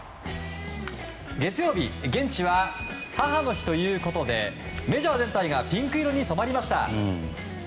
月曜日、現地は母の日ということでメジャー全体がピンク色に染まりました。